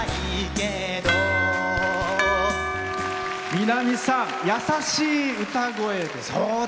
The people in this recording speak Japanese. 南さん、優しい歌声で。